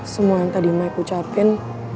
semua yang tadi mike ucapin